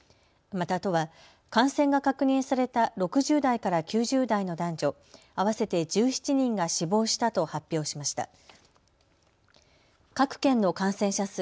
また都は感染が確認された６０代から９０代の男女、合わせて１７人が死亡したと発表しました。